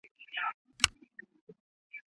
二歧卷柏为卷柏科卷柏属下的一个种。